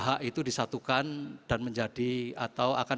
hak itu disatukan dan menjadi atau akan